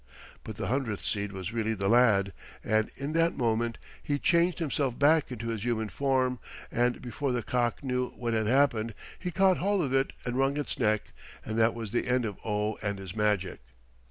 But the hundredth seed was really the lad, and in that moment he changed himself back into his human form, and before the cock knew what had happened, he caught hold of it and wrung its neck and that was the end of Oh and his magic.